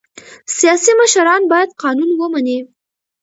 سیاسي مشران باید قانون ومني